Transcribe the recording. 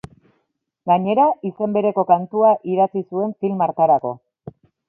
Gainera, izen bereko kantua idatzi zuen film hartarako.